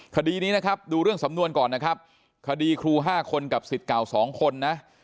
คดีนี้นะครับดูเรื่องสำนวนก่อนนะครับคดีครู๕คนกับสิทธิ์เก่า๒คนนะ